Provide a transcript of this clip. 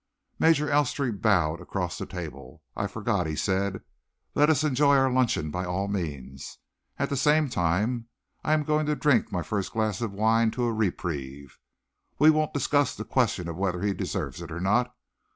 Major Elstree bowed across the table. "I forgot," he said. "Let us enjoy our luncheon, by all means. At the same time, I am going to drink my first glass of wine to a reprieve. We won't discuss the question of whether he deserves it or not.